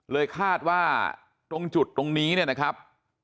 คาดว่าตรงจุดตรงนี้เนี่ยนะครับ